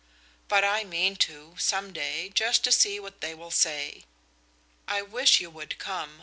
But I mean to, some day, just to see what they will say. I wish you would come!